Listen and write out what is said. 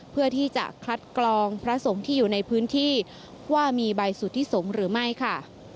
เพื่อที่จะคัดกรองพระสงฆ์ที่อยู่ในพื้นที่ว่ามีใบสุทธิสงฆ์หรือไม่ค่ะ